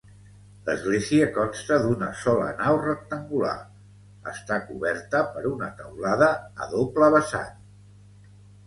L'església consta d'una sola nau rectangular, està coberta per una teulada a doble vessant.